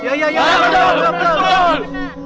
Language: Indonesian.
iya iya betul betul